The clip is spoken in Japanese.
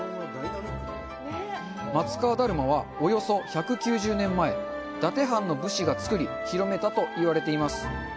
松川だるまは、およそ１９０年前伊達藩の武士が作り広めたと言われています。